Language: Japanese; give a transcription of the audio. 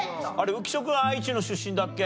浮所君愛知の出身だっけ？